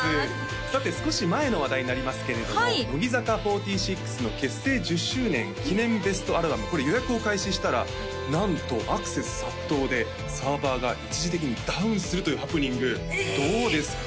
さて少し前の話題になりますけれども乃木坂４６の結成１０周年記念ベストアルバムこれ予約を開始したらなんとアクセス殺到でサーバーが一時的にダウンするというハプニングどうですか？